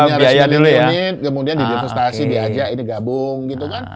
yang punya rice milling unit kemudian di divestasi diajak ini gabung gitu kan